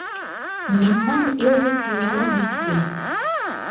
— Мемнан эл вет тӱнялан икте.